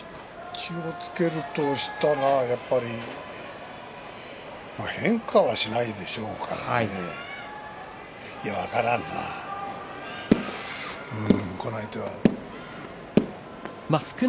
気をつけるとしたらやっぱり変化はしないでしょうからいや、分からんな。